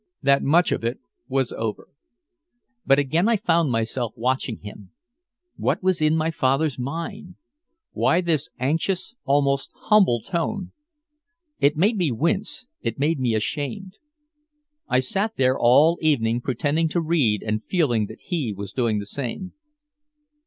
That much of it was over. But again I found myself watching him. What was in my father's mind? Why this anxious almost humble tone? It made me wince, it made me ashamed. I sat there all evening pretending to read and feeling that he was doing the same.